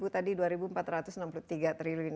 tadi dua empat ratus enam puluh tiga triliun